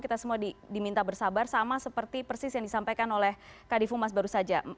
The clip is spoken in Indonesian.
kita semua diminta bersabar sama seperti persis yang disampaikan oleh kadifu mas baru saja